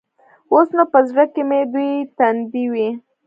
اوس نو په زړه کښې مې دوې تندې وې.